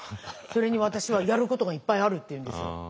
それに私はやることがいっぱいある」って言うんですよ。